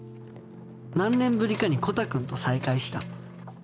何年ぶりかにコタくんと再会した。